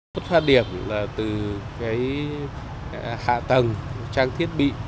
phát điểm là từ hạ tầng trang thiết bị